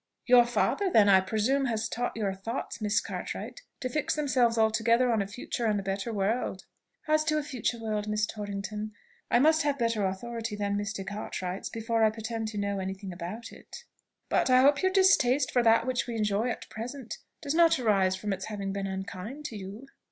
"Your father, then, I presume, has taught your thoughts, Miss Cartwright, to fix themselves altogether on a future and a better world." "As to a future world, Miss Torrington, I must have better authority than Mr. Cartwright's before I pretend to know any thing about it." "But I hope your distaste for that which we enjoy at present does not arise from its having been unkind to you?"